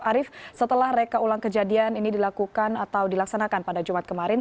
arief setelah reka ulang kejadian ini dilakukan atau dilaksanakan pada jumat kemarin